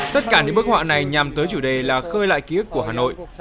tất cả những bức họa này nhằm tới chủ đề là khơi lại ký ức của hà nội